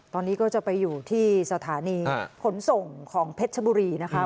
ตอนนี้ก็จะไปอยู่ที่สถานีขนส่งของเพชรชบุรีนะคะ